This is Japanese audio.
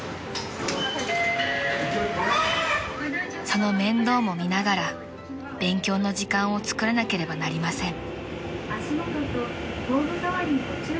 ［その面倒も見ながら勉強の時間をつくらなければなりません］